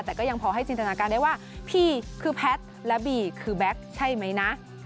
แต่ก็ยังพอให้จินตนาการได้ว่าพี่คือแพทย์และบีคือแบ็คใช่ไหมนะ